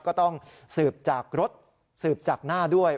ก็ต้องสืบจากรถสืบจากหน้าด้วย